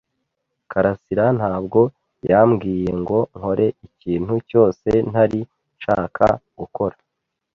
karasira ntabwo yambwiye ngo nkore ikintu cyose ntari nshaka gukora.